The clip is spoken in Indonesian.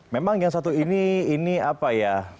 memang yang satu ini ini apa ya